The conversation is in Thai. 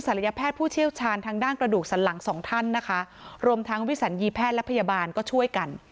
แพทย์ผู้เชี่ยวชาญทางด้านกระดูกสันหลังสองท่านนะคะรวมทั้งวิสัญญีแพทย์และพยาบาลก็ช่วยกัน